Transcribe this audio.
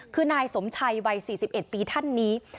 คือนายสมชัยวัย๔๑ปีท่านนี้